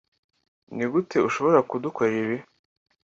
Nigute ushobora kudukorera ibi